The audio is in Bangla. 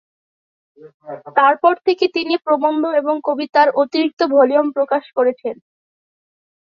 তারপর থেকে তিনি প্রবন্ধ এবং কবিতার অতিরিক্ত ভলিউম প্রকাশ করেছেন।